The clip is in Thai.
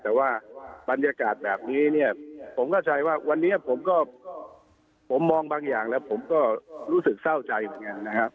แต่ว่าบรรยากาศแบบนี้เนี่ยผมเข้าใจว่าวันนี้ผมก็ผมมองบางอย่างแล้วผมก็รู้สึกเศร้าใจเหมือนกันนะครับ